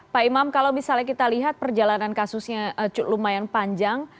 pak imam kalau misalnya kita lihat perjalanan kasusnya lumayan panjang